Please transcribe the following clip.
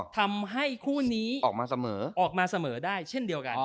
ทำให้คู่นี้ออกมาเสมอออกมาเสมอได้เช่นเดียวกัน